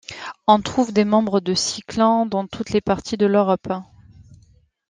On trouve des membres de six clans dans toutes les parties de l'Europe.